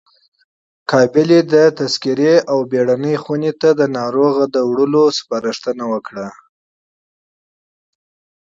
قابلې د تذکرې او عاجل اتاق ته د ناروغ وړلو سپارښتنه وکړه.